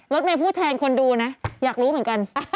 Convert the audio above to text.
รถเมย์พูดแทนคนดูนะอยากรู้เหมือนกัน